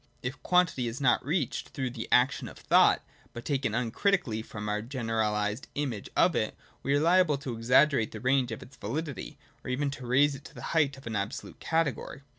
If quantity is not reached through the action of thought, but taken uncritically from our general ised image of it, we are liable to exaggerate the range of its validity, or even to raise it to the height of an absolute cate gory.